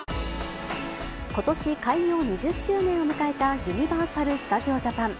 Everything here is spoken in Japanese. ことし開業２０周年を迎えたユニバーサル・スタジオ・ジャパン。